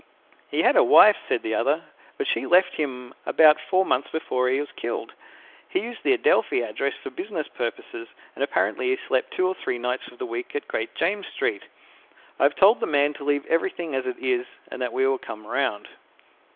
"He had a wife," said the other, "but she left him about four months before he was killed. He used the Adelphi address for business purposes and apparently he slept two or three nights of the week at Great James Street. I have told the man to leave everything as it is, and that we will come round."